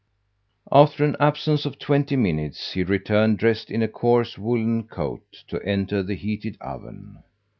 After an absence of twenty minutes, he returned, dressed in a coarse woolen coat, to enter the heated oven.